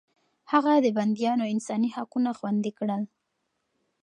هغه د بنديانو انساني حقونه خوندي کړل.